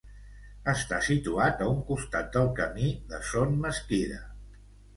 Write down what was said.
Està situat a un costat del camí de Son Mesquida.